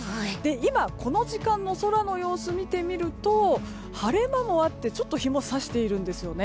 今、この時間の空の様子を見てみると晴れ間もあってちょっと日も差しているんです。